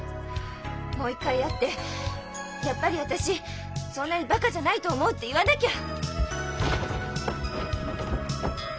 もう一回会ってやっぱり私そんなにバカじゃないと思うって言わなきゃ！